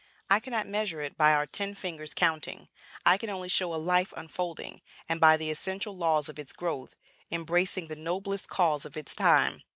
I cannot measure it by our ten fingers' counting. I can only show a life unfolding, and, by the essential laws of its growth, embracing the noblest cause of its time.